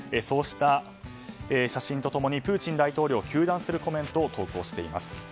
そうした写真と共にプーチン大統領を糾弾するコメントを投稿しています。